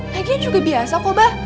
lagian juga biasa kok mbah